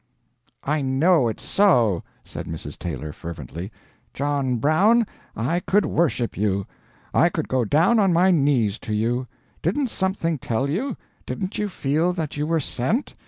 "I know it's so," said Mrs. Taylor, fervently. "John Brown, I could worship you; I could go down on my knees to you. Didn't something tell you? didn't you feel that you were sent?